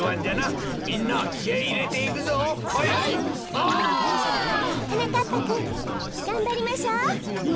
お！はなかっぱくんがんばりましょう。